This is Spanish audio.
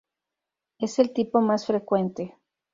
Es el tipo más frecuente.